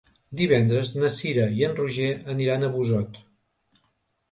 Divendres na Cira i en Roger aniran a Busot.